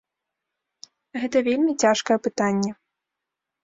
Гэта вельмі цяжкае пытанне.